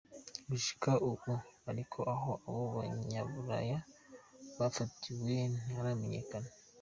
Gushika ubu ariko aho abo Banyaburaya bafatiwe ntiharamenyekana.